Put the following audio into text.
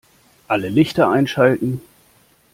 Alle Lichter einschalten